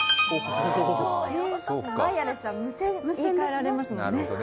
ワイヤレスは無線と言いかえられますもんね。